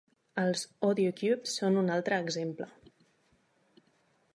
Els AudioCubes són un altre exemple.